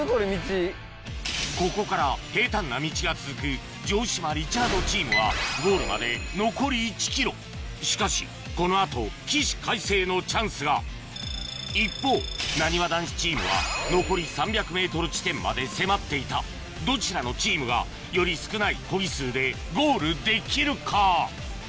ここから平たんな道が続く城島・リチャードチームはゴールまで残り１ｋｍしかしこの後起死回生のチャンスが一方なにわ男子チームは残り３００ｍ地点まで迫っていたどちらのチームがより少ないコギ数でゴールできるか？